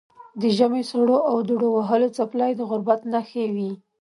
د ژمي سړو او دوړو وهلې څپلۍ د غربت نښې وې.